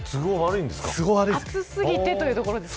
暑すぎてというところですか。